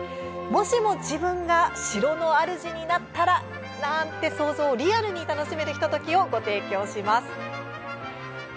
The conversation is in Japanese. もしも自分が城の主になったらなんて想像をリアルに楽しめるひとときをご提供します。